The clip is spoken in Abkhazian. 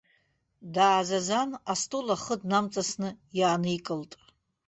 Даазазан астол ахы днамҵасны иааникылт.